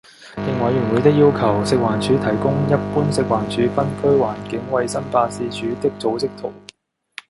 應委員會的要求，食環署提供一般食環署分區環境衞生辦事處的組織圖